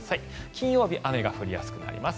金曜日雨が降りやすくなります。